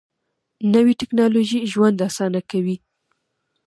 نوې ټیکنالوژي ژوند اسانه کوي